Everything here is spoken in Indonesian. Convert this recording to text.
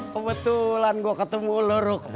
kebetulan gue ketemu lo ruk